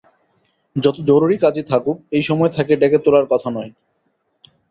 যত জরুরি কাজই থাকুক, এই সময় তাঁকে ডেকে তোলার কথা নয়।